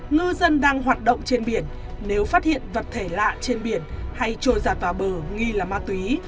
ngư dân đang hoạt động trên biển nếu phát hiện vật thể lạ trên biển hay trôi giặt vào bờ nghi là ma túy